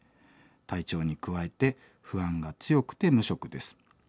体調に加えて不安が強くて無職です。